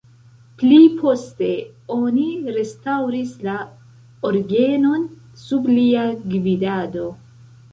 Pli poste oni restaŭris la orgenon sub lia gvidado.